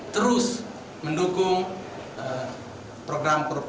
terus mendukung program